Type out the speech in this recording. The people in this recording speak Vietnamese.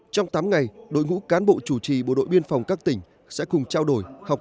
trong tám ngày đội ngũ cán bộ chủ trì bộ đội biên phòng các tỉnh sẽ cùng trao đổi học